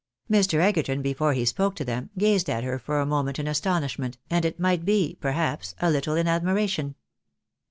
Mr. Egerton before he spoke to them, gazed at her for a moment in astonishment, and it might be, perhaps, a little in admiration.